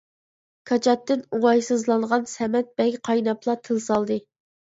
كاچاتتىن ئوڭايسىزلانغان سەمەت بەگ قايناپلا تىل سالدى.